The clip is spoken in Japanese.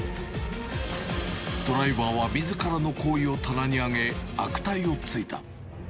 ドライバーは、みずからの行為を棚に上げ、悪態をついた。